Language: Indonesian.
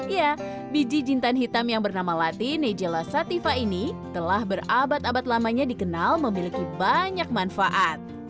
ya biji jintan hitam yang bernama latin nejela sativa ini telah berabad abad lamanya dikenal memiliki banyak manfaat